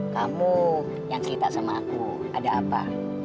kamu yang cerita sama aku ada apa